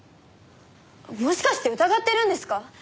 もしかして疑ってるんですか！？